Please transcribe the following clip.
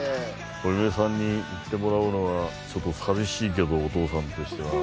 お嫁さんに行ってもらうのはちょっと寂しいけどお父さんとしては。